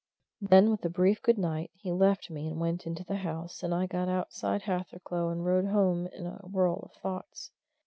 Then, with a brief good night, he left me and went into the house, and I got outside Hathercleugh and rode home in a whirl of thoughts.